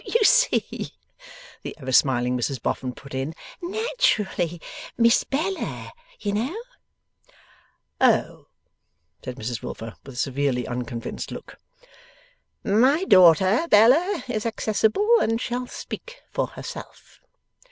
'Don't you see?' the ever smiling Mrs Boffin put in. 'Naturally, Miss Bella, you know.' 'Oh h!' said Mrs Wilfer, with a severely unconvinced look. 'My daughter Bella is accessible and shall speak for herself.